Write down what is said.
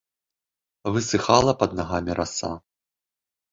Высыхала пад нагамі раса.